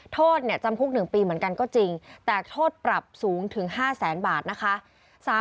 โทษจำคุก๑ปีเหมือนกันก็จริงแต่โทษปรับสูงถึง๕แสนบาทนะคะ